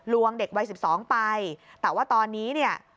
ลวงเด็กวัย๑๒ไปแต่ว่าตอนนี้